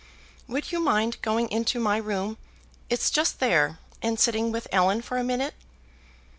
"Would you mind going into my room it's just there, and sitting with Ellen for a minute?"